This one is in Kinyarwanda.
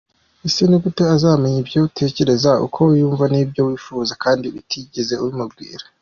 Ese ni gute azamenya ibyo utekereza, uko wiyumva n’ibyo wifuza kandi utigeze ubimubwira?.